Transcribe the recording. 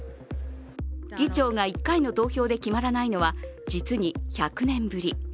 議長が１回の投票で決まらないのは実に１００年ぶり。